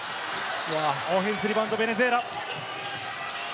オフェンスリバウンド、ベネズエラ。